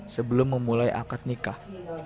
sebelum memulai akad nikah